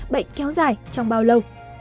bệnh kéo dài trong bao lâu